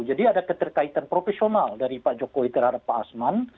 jadi ada keterkaitan profesional dari pak jokowi terhadap pak asman